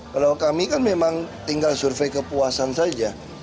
kalau kami kan memang tinggal survei kepuasan saja